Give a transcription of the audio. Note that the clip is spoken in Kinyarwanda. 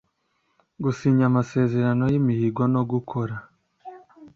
gusinya amasezerano y imihigo no gukora